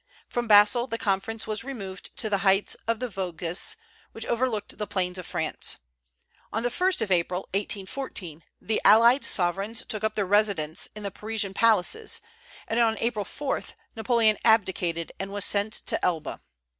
From Basle the conference was removed to the heights of the Vosges, which overlooked the plains of France. On the 1st of April, 1814, the allied sovereigns took up their residence in the Parisian palaces; and on April 4 Napoleon abdicated, and was sent to Elba.